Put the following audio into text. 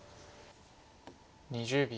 ２０秒。